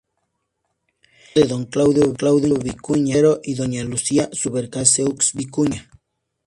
Hijo de don Claudio Vicuña Guerrero y doña Lucía Subercaseaux Vicuña.